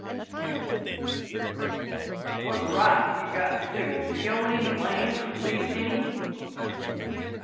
said he. "What right have you got to do it? Do you own any land, or lease any?"